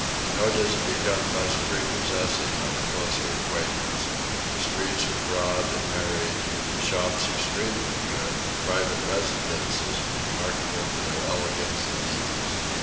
Nor does it become less prepossessing on a closer acquaintance. The streets are broad and airy, the shops extremely good, the private residences remarkable for their elegance and neatness.